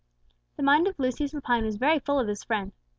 The mind of Lucius Lepine was very full of his friend.